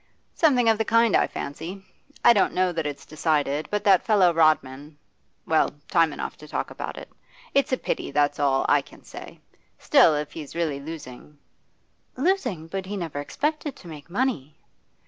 'Something of the kind, I fancy. I don't know that it's decided, but that fellow Rodman well, time enough to talk about it. It's a pity, that's all I can say. Still, if he's really losing ' 'Losing? But he never expected to make money.